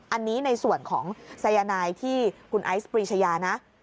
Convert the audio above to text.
อันนี้ในส่วนของสายนายที่คุณไอซ์ปรีชายานะ